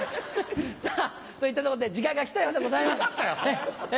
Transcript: さぁといったところで時間が来たようでございます。